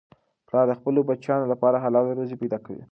پلار د خپلو بچیانو لپاره حلاله روزي پیدا کوي.